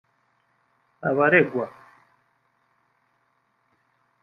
Abaregwa